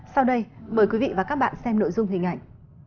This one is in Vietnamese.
sau đây mời quý vị và các bạn xem nội dung hình ảnh